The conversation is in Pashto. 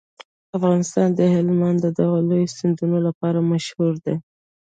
افغانستان د هلمند د دغه لوی سیند لپاره مشهور دی.